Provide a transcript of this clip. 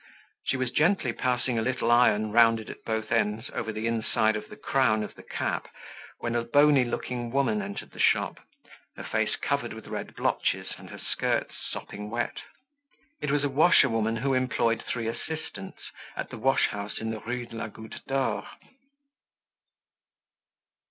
She was gently passing a little iron rounded at both ends over the inside of the crown of the cap, when a bony looking woman entered the shop, her face covered with red blotches and her skirts sopping wet. It was a washerwoman who employed three assistants at the wash house in the Rue de la Goutte d'Or.